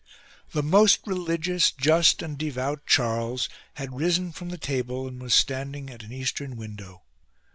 The most religious, just and devout Charles had risen from the table and was standing at an eastern window.